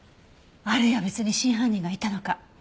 あるいは別に真犯人がいたのか？